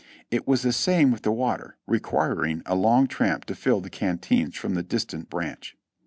It was the same way with the water, requir ing a long tramp to fill the canteens from the distant branch.